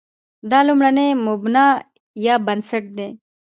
دا لومړی مبنا یا بنسټ دی.